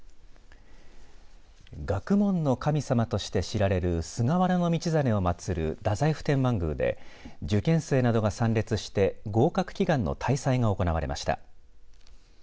学問の神様として知られる菅原道真を祭る太宰府天満宮で受験生などが参列して合格祈願の大祭が行われました。